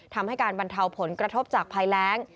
ทำให้การบรรเทาผลกระทบจากภัยแรง